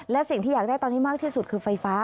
และสิ่งที่อยากได้ตอนนี้มากที่สุดคือไฟฟ้า